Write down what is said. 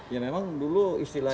ya memang dulu istilahnya kan